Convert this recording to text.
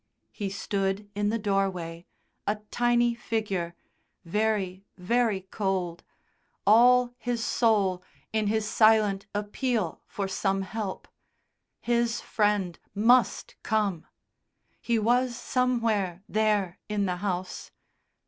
He stood in the doorway, a tiny figure, very, very cold, all his soul in his silent appeal for some help. His Friend must come. He was somewhere there in the house.